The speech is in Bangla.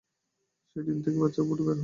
সেই ডিম থেকে বাচ্চা ফুটে বের হয়।